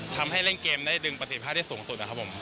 ทำให้เล่นเกมได้ดึงประสิทธิภาพได้สูงสุดนะครับผม